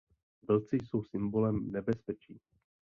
Vlci jsou symbolem nebezpečí.